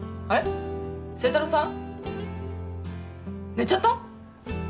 寝ちゃった？